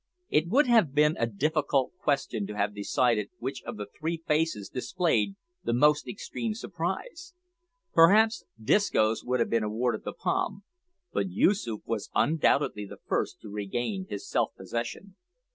It would have been a difficult question to have decided which of the three faces displayed the most extreme surprise. Perhaps Disco's would have been awarded the palm, but Yoosoof was undoubtedly the first to regain his self possession.